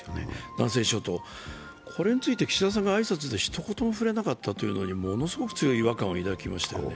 南西諸島、これについて岸田さんが挨拶でひと言も触れなかったことにものすごく強い違和感を抱きましたよね。